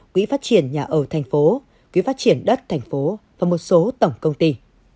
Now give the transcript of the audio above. quỹ phát triển nhà ở thành phố quỹ phát triển đất thành phố và một số tổng công ty